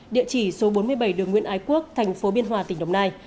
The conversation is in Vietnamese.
địa chỉ số bốn mươi bảy đường nguyễn ái quốc tp biên hòa tỉnh đồng nai